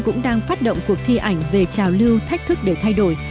cũng đang phát động cuộc thi ảnh về trào lưu thách thức để thay đổi